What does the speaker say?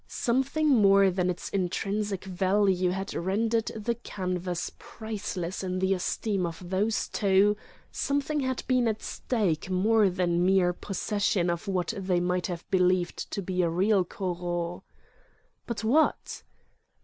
Something more than its intrinsic value had rendered the canvas priceless in the esteem of those two, something had been at stake more than mere possession of what they might have believed to be a real Corot. But what?